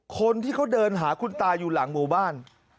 คนที่เขาเดินหาคุณตาอยู่หลังหมู่บ้าน